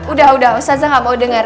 udah udah ustazah gak mau denger